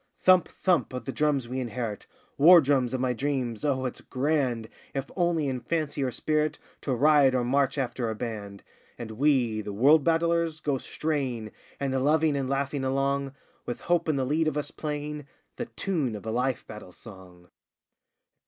Thump! thump! of the drums we inherit War drums of my dreams! Oh it's grand, If only in fancy or spirit, To ride or march after a band! And we, the World Battlers, go straying And loving and laughing along With Hope in the lead of us playing The tune of a life battle song!